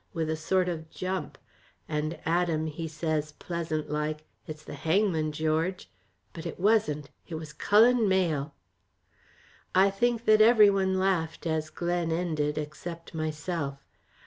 with a sort of jump, and Adam he says, pleasant like, 'It's the hangman, George;' but it wasn't, it was Cullen Mayle." I think that every one laughed as Glen ended, except myself.